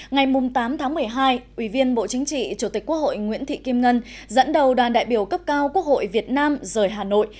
ngày tám tháng một mươi hai ủy viên bộ chính trị chủ tịch quốc hội nguyễn thị kim ngân dẫn đầu đoàn đại biểu cấp cao quốc hội việt nam rời hà nội